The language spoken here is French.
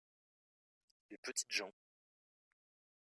les petites gens.